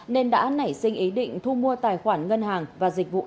nên đã nảy sinh ý định thu mua tài khoản ngân hàng và dịch vụ